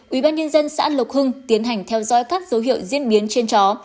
ubnd xã lộc hưng tiến hành theo dõi các dấu hiệu diễn biến trên chó